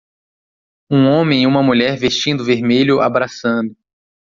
Um homem e uma mulher vestindo vermelho abraçando.